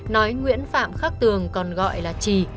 nói nguyễn phạm khắc tường còn gọi là chì